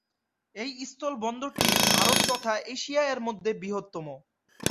এই স্থল বন্দরটি ভারত তথা এশিয়া এর মধ্যে বৃহত্তম।